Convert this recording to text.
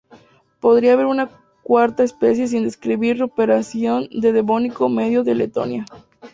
Podría haber una cuarta especie sin describir recuperada del Devónico Medio de Letonia.